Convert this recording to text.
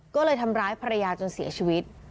ก็เลยทำร้ายภรรยาจนเสียชีวิต